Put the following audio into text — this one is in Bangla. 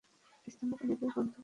স্তন্যপায়ীদের গন্ধ পাচ্ছি।